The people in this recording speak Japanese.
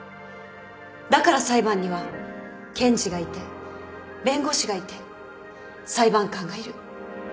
だから裁判には検事がいて弁護士がいて裁判官がいる。